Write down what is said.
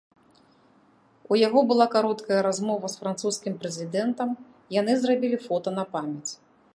У яго была кароткая размова з французскім прэзідэнтам, яны зрабілі фота на памяць.